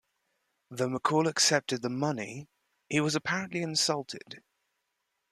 Though McCall accepted the money, he was apparently insulted.